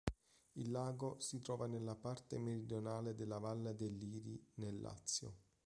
Il lago si trova nella parte meridionale della Valle del Liri nel Lazio.